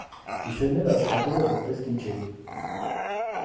Գիշերները աշխատել է որպես դիջեյ։